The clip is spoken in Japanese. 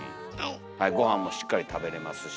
はいごはんもしっかり食べれますし。